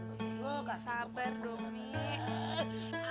aduh ga sabar dong mih